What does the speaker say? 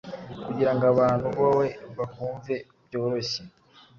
kugirango abantu boe bakwumve byorohye